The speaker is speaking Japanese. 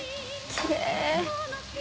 きれい。